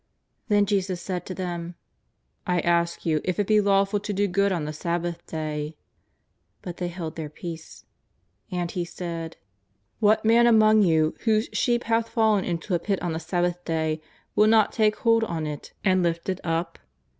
Then Jesus said tc them :" I ask you if it be lawful to do good on the Sab bath day ?'' But they held their peace. And He said :" What man among you whose sheep hath fallen into a pit on the Sabbath day will not take hold on it and lifi it up